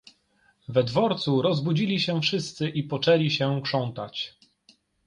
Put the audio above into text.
"We dworcu rozbudzili się wszyscy i poczęli się krzątać."